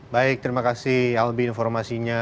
baik terima kasih albi informasinya